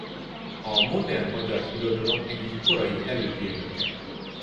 A modern magyar irodalom egyik korai előhírnöke.